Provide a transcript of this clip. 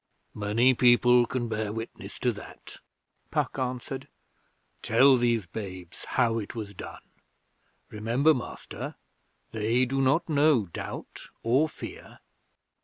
'Many people can bear witness to that,' Puck answered. 'Tell these babes how it was done. Remember, Master, they do not know Doubt or Fear.'